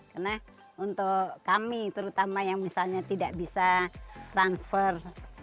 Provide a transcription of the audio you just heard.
karena untuk kami terutama yang misalnya tidak bisa transfer